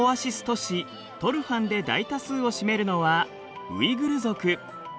都市トルファンで大多数を占めるのはウイグル族。